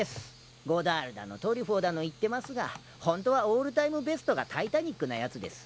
ゴダールだのトリュフォーだの言ってますがホントはオールタイムベストが『タイタニック』なやつです。